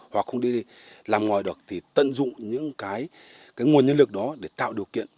hoặc không đi làm ngoài được thì tận dụng những cái nguồn nhân lực đó để tạo điều kiện